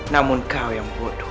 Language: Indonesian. namun kau yang bodoh